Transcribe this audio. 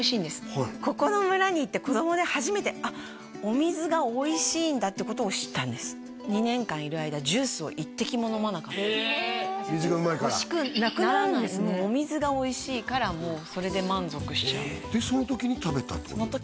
はいここの村に行って子どもで初めてあっお水がおいしいんだってことを知ったんです２年間いる間ジュースを一滴も飲まなかったええ水がうまいから欲しくなくなるんですねならないお水がおいしいからもうそれで満足しちゃうでその時に食べたってこと？